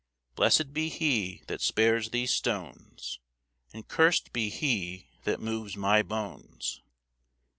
Blessed be he that spares these stones, And curst be he that moves my bones.